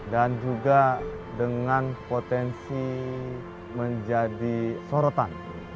dan juga dengan potensi menjadi sorotan